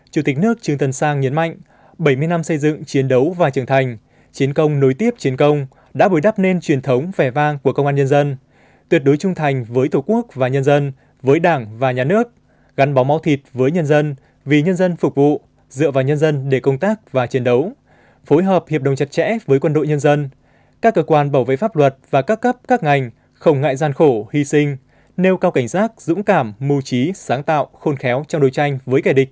chủ tịch nước trương tân sang nhấn mạnh bảy mươi năm xây dựng chiến đấu và trưởng thành chiến công nối tiếp chiến công đã bồi đắp nên truyền thống vẻ vang của công an nhân dân tuyệt đối trung thành với tổ quốc và nhân dân với đảng và nhà nước gắn bó máu thịt với nhân dân vì nhân dân phục vụ dựa vào nhân dân để công tác và chiến đấu phối hợp hiệp đồng chặt chẽ với quân đội nhân dân các cơ quan bảo vệ pháp luật và các cấp các ngành không ngại gian khổ hy sinh nêu cao cảnh giác dũng cảm mưu trí sáng tạo khôn khéo trong đối tranh với kẻ đị